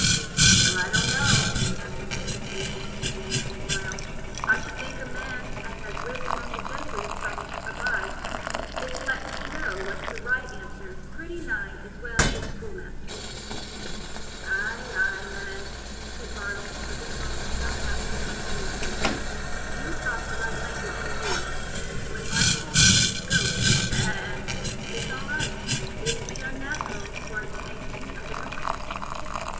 "Well, I don't know," answered Mr. Casson, with an angry smile. "I should think a man as has lived among the gentry from a by, is likely to know what's the right language pretty nigh as well as a schoolmaster." "Ay, ay, man," said Bartle, with a tone of sarcastic consolation, "you talk the right language for you. When Mike Holdsworth's goat says ba a a, it's all right—it 'ud be unnatural for it to make any other noise."